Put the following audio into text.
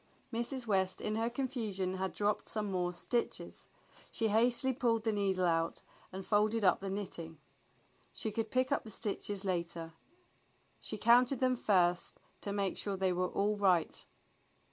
Mrs. West in her confusion had dropped some more stitches. She hastily pulled the needle out and folded up the knitting. She could pick up the stitches later. She counted them first to make sure they were all right.